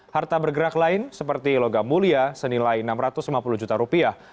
harta bergerak lain seperti logam mulia senilai enam ratus lima puluh juta rupiah